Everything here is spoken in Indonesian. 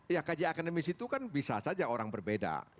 iya kajian akademis itu kan bisa saja orang berbeda